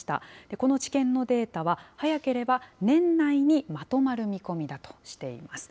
この治験のデータは、早ければ年内にまとまる見込みだとしています。